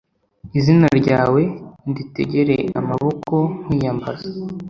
izina ryawe nditegere amaboko nkwiyambaza